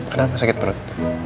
kenapa sakit perut